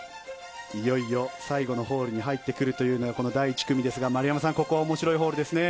いよいよ最後のホールに入ってくるというのが最後の１組ですがここは面白いホールですね。